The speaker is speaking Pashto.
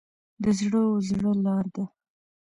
د زړه و زړه لار ده.